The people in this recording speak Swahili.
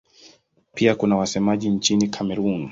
Pia kuna wasemaji nchini Kamerun.